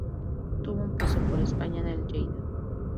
Tuvo un paso por España, en el Lleida.